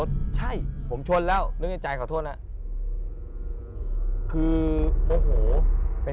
เดี๋ยวมึงเจอกูมึงวิ่งตัดหน้ารถได้ไงมึงผิดนะกูไม่ผิดนะ